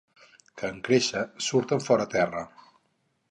Que, en créixer, surten fora terra.